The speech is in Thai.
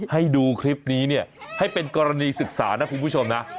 ให้ดูคลิปนี้เนี่ยให้เป็นกรณีศึกษานะคุณผู้ชมนะ